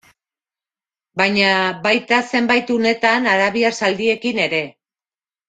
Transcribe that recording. Baina baita zenbait unetan arabiar zaldiekin ere.